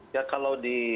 ya kalau di